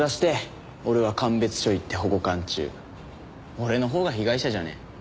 俺のほうが被害者じゃね？